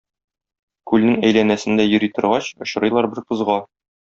Күлнең әйләнәсендә йөри торгач, очрыйлар бер кызга.